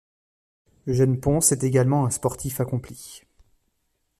Eugène Pons est également un sportif accompli.